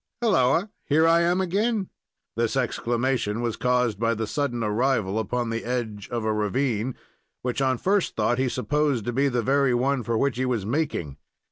"Halloa! Here I am again." This exclamation was caused by the sudden arrival upon the edge of a ravine, which, on first thought, he supposed to be the very one for which he was making.